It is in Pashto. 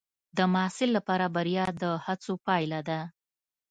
د محصل لپاره بریا د هڅو پایله ده.